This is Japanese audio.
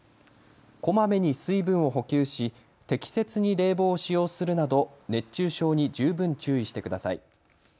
こまめに水分を補給し適切に冷房を使用するなど熱中症に十分注意してください。